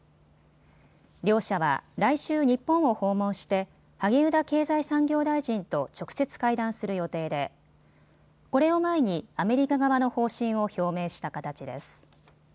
両者は来週、日本を訪問して萩生田経済産業大臣と直接会談する予定でこれを前にアメリカ側の方針を表明した形です。